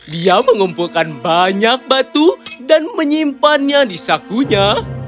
dia mengumpulkan banyak batu dan menyimpannya di sakunya